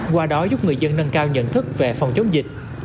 qua đó giúp người dân nâng cao nhận thức về phòng chống dịch